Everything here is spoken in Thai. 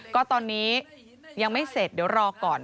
ก็ตอนนี้ยังไม่เสร็จเดี๋ยวรอก่อน